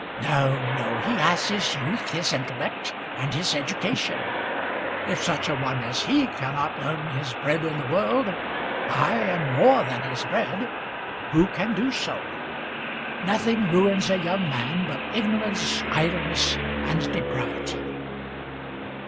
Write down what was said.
"No, no. He has his youth, his intellect, and his education. If such a one as he cannot earn his bread in the world ay, and more than his bread who can do so? Nothing ruins a young man but ignorance, idleness, and depravity."